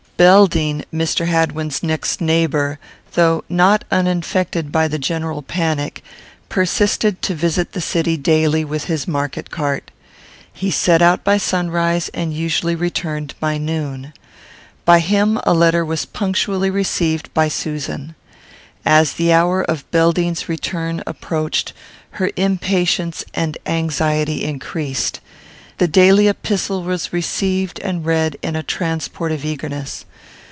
Belding, Mr. Hadwin's next neighbour, though not uninfected by the general panic, persisted to visit the city daily with his market cart. He set out by sunrise, and usually returned by noon. By him a letter was punctually received by Susan. As the hour of Belding's return approached, her impatience and anxiety increased. The daily epistle was received and read, in a transport of eagerness.